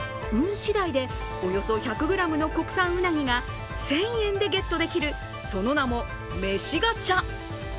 しだいでおよそ１００ｇの国産うなぎが１０００円でゲットできるその名も、めしガチャ。